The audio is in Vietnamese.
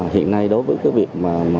hiện nay đối với cái việc